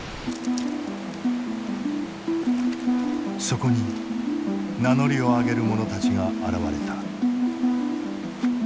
そこに名乗りを上げる者たちが現れた。